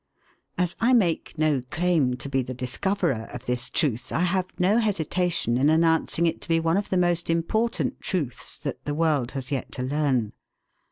As I make no claim to be the discoverer of this truth I have no hesitation in announcing it to be one of the most important truths that the world has yet to learn.